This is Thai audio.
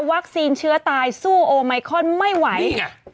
วัคซีนเชื้อตายสู้โอไหมคอนไม่ไหว